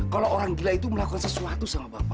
kalau orang gila itu melakukan sesuatu sama bapak